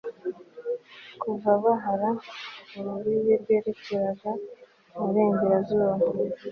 kuva bahala, urubibi rwerekeraga mu burengerazuba